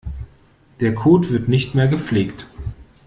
Der Code wird nicht mehr gepflegt.